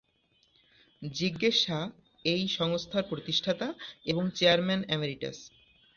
জিজ্ঞেস শাহ এই সংস্থার প্রতিষ্ঠাতা এবং চেয়ারম্যান এমেরিটাস।